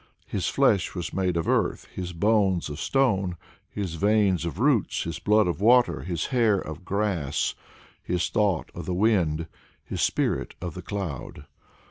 "His flesh was made of earth, his bones of stone, his veins of roots, his blood of water, his hair of grass, his thought of the wind, his spirit of the cloud."